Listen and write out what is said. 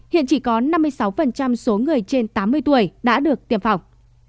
hiện chỉ có năm mươi sáu số người trên tám mươi tuổi đã được tiêm phòng